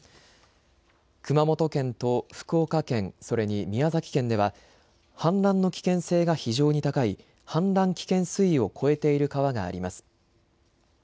熊本県と福岡県それに宮崎県では氾濫の危険性が非常に高い氾濫危険水位を超えている川があります。